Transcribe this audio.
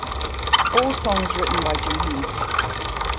All songs written by Jim Heath.